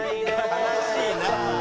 悲しいな。